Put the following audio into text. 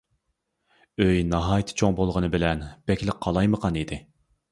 ئۆي ناھايىتى چوڭ بولغىنى بىلەن، بەكلا قالايمىقان ئىدى.